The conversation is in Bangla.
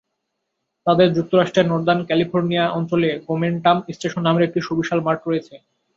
তাঁদের যুক্তরাষ্ট্রের নর্দার্ন ক্যালিফোর্নিয়া অঞ্চলে গোমেন্টাম স্টেশন নামের একটি সুবিশাল মাঠ রয়েছে।